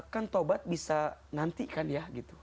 kan tobat bisa nantikan ya